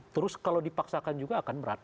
terus kalau dipaksakan juga akan berat